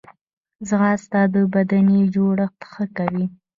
ځغاسته د بدني جوړښت ښه کوي